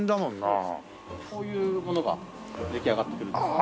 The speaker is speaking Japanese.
こういうものが出来上がってくるんですね。